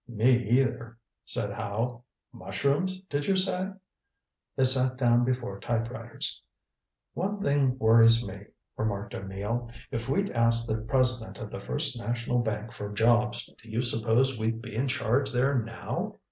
"Me either," said Howe. "Mushrooms, did you say?" They sat down before typewriters. "One thing worries me," remarked O'Neill. "If we'd asked the president of the First National Bank for jobs, do you suppose we'd be in charge there now?"